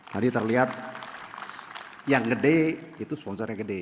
tadi terlihat yang gede itu sponsor yang gede